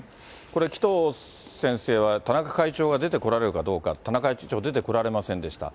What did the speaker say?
これ、紀藤先生は田中会長が出てこられるかどうか、田中会長、出てこられませんでした。